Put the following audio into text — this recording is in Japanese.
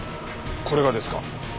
これがですか？